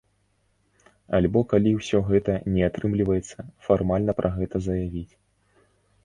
Альбо калі ўсё гэта не атрымліваецца, фармальна пра гэта заявіць.